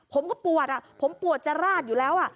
ผมก็ปวดผมปวดจะราดอยู่แล้ว